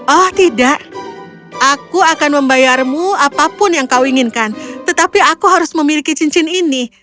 oh tidak aku akan membayarmu apapun yang kau inginkan tetapi aku harus memiliki cincin ini